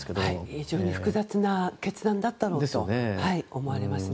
非常に複雑な決断だったと思われますね。